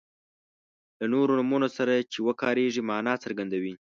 له نورو نومونو سره چې وکاریږي معنا څرګندوي.